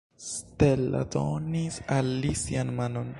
Stella donis al li sian manon.